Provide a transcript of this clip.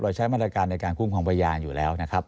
ใช้มาตรการในการคุ้มครองพยานอยู่แล้วนะครับ